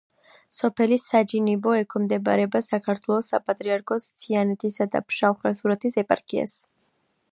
სოფელი საჯინიბო ექვემდებარება საქართველოს საპატრიარქოს თიანეთისა და ფშავ-ხევსურეთის ეპარქიას.